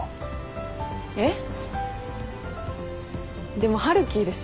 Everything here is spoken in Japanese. でも春樹いるし。